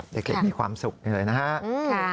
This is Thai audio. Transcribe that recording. เด็กมีความสุขนี่เลยนะฮะ